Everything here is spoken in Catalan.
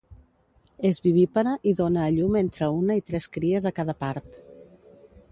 És vivípara i dóna a llum entre una i tres cries a cada part.